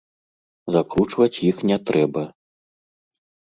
Закручваць іх не трэба.